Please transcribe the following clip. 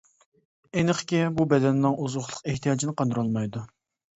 ئېنىقكى، بۇ بەدەننىڭ ئوزۇقلۇق ئېھتىياجىنى قاندۇرالمايدۇ.